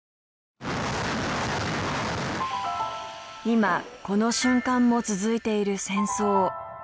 今この瞬間も続いている戦争。